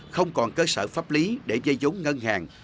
không còn cơ sở pháp lý để gây giống ngân hàng